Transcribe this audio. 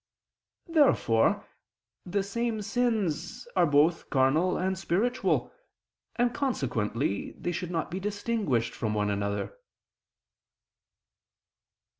Therefore the same sins are both carnal and spiritual, and consequently they should not be distinguished from one another.